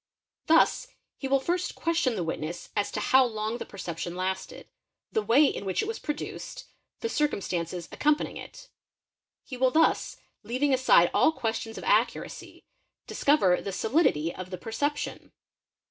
Thus he will first question the witness as to how long the perception lasted, the way in which it was produced, the circumstances accompanying it; he will thus, leaving aside all ques tions of accuracy, discover the "solidity'' of the perception.